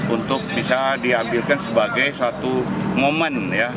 untuk bisa diambilkan sebagai satu momen ya